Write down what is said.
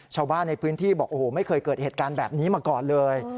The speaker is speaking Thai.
ชาวบ้านในพื้นที่บอกโอ้โหไม่เคยเกิดเหตุการณ์แบบนี้มาก่อนเลย